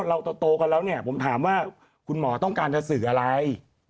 เราโตกันแล้วเนี่ยผมถามว่าคุณหมอต้องการจะสื่ออะไร